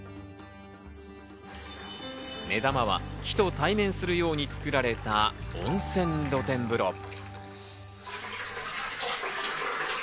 目玉は木と対面するように造られた温泉露天風呂。